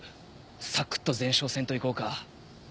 サクッと前哨戦といこうか。